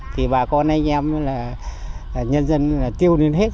thì bà con anh em nhân dân tiêu đến hết